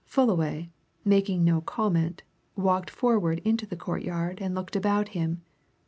Fullaway, making no comment, walked forward into the courtyard and looked about him.